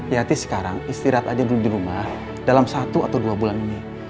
yati sekarang istirahat aja dulu di rumah dalam satu atau dua bulan ini